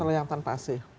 kalau yang tanpa ac